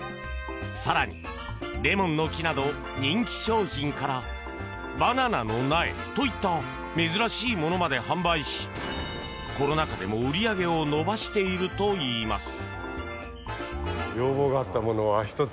更に、レモンの木など人気商品からバナナの苗といった珍しいものまで販売しコロナ禍でも売り上げを伸ばしているといいます。